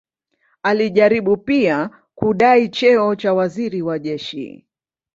Alijaribu pia kudai cheo cha waziri wa jeshi.